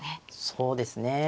そうですね。